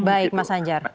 baik mas anjar